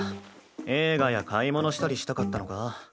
映画や買い物したりしたかったのか？